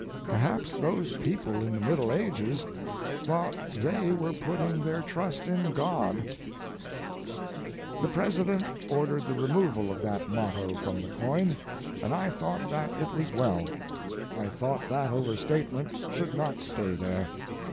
Perhaps those people in the Middle Ages thought they were putting their trust in God. The President ordered the removal of that motto from the coin, and I thought that it was well. I thought that overstatement should not stay there.